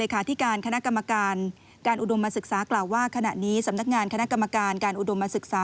การอุดมสึกษากราบว่าขณะนี้สำนักงานขนาดกรรมการการอุดมสึกษา